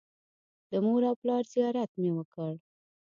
د مور او پلار زیارت مې وکړ.